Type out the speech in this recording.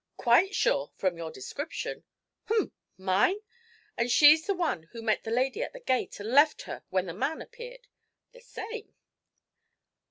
'Quite sure from your description.' 'Umph! Mine? And she's the one who met the lady at the gate, and left her when the man appeared?' 'The same.'